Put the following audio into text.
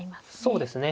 そうですね